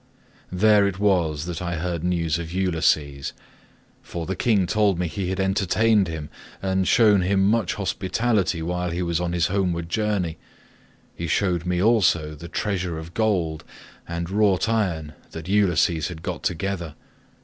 "There it was that I heard news of Ulysses, for the king told me he had entertained him, and shown him much hospitality while he was on his homeward journey. He showed me also the treasure of gold, and wrought iron that Ulysses had got together.